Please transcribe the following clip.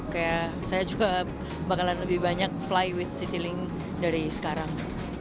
kayak saya juga bakalan lebih banyak fly with citylink dari sekarang